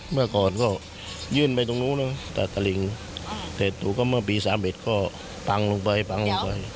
เมื่อก่อนก็ยื่นไปตรงนู้นนะตัดตะลิงแต่ดูก็เมื่อปี๓๑ก็พังลงไปปังลงไป